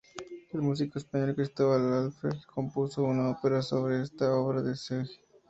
El músico español Cristóbal Halffter compuso una ópera sobre esta obra de Zweig.